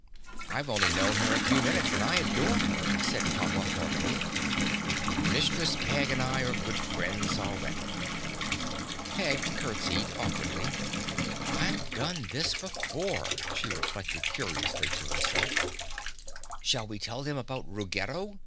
"I've only known her a few minutes and I adore her!" said Pompa heartily. "Mistress Peg and I are good friends already." Peg curtseyed awkwardly. "I've done this before," she reflected curiously to herself. "Shall we tell them about Ruggedo?"